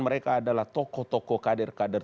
mereka adalah tokoh tokoh kader kader